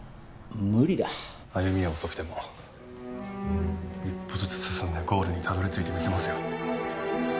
歩みは遅くても一歩ずつ進んでゴールにたどり着いてみせますよ。